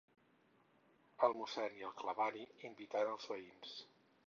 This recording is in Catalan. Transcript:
El mossèn i el clavari invitant els veïns.